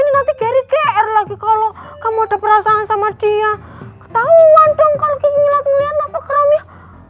ini nanti gary gr lagi kalau kamu ada perasaan sama dia ketauan dong kalau kiki ngelag ngeliat lovagramnya